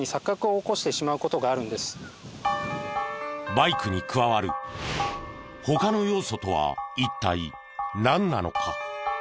バイクに加わる他の要素とは一体なんなのか？